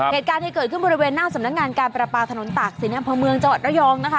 เหตุการณ์ที่เกิดขึ้นบริเวณหน้าสำนักงานการประปาถนนตากศิลปอำเภอเมืองจังหวัดระยองนะคะ